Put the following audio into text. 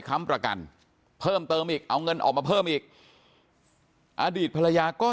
ค้ำประกันเพิ่มเติมอีกเอาเงินออกมาเพิ่มอีกอดีตภรรยาก็